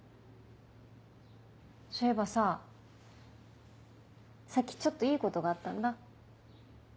そういえばささっきちょっといいことがあったんだ。